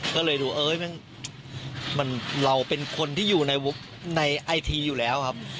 ก็เลยดูเอ้ยเราเป็นคนที่อยู่ในไอทีอยู่แล้วครับ